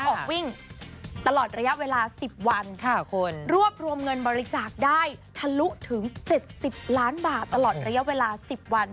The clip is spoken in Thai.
ออกวิ่งตลอดระยะเวลาสิบวันค่ะคุณรวบรวมเงินบริจาคได้ทะลุถึงเจ็ดสิบล้านบาทตลอดระยะเวลาสิบวัน